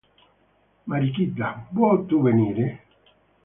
Marichita, vuoi tu venire?